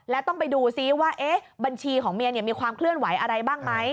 และต้องไปดูซิว่าบัญชีของเมียมีความเคลื่อนไหวอะไรบ้างไหม